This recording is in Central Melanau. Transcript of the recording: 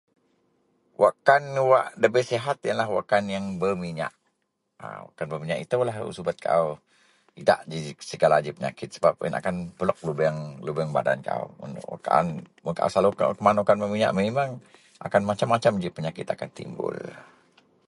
Wak kan wak debei sihat yenlah wak kan berminyak. Wak kan berminyak itoulah subet kaau idak ji segala penyakit sebap yen akan belok lubeang, lubeang badan kaau. Mun kaau selalu keman wak kan berminyak memang akan macem - macem penyakit akan timbul